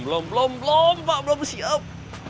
belum belum belum pak belum siap